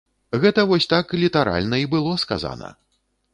Гэта вось так літаральна і было сказана.